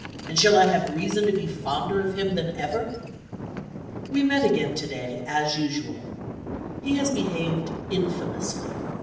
And shall I have reason to be fonder of him than ever? We met again to day as usual. He has behaved infamously.